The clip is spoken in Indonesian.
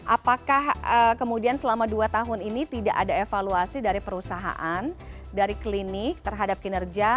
apakah kemudian selama dua tahun ini tidak ada evaluasi dari perusahaan dari klinik terhadap kinerja